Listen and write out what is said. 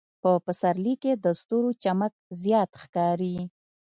په پسرلي کې د ستورو چمک زیات ښکاري.